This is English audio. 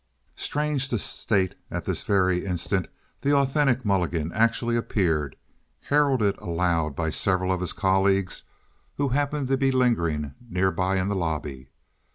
Strange to state, at this very instant the authentic Mulligan actually appeared—heralded aloud by several of his colleagues who happened to be lingering near by in the lobby.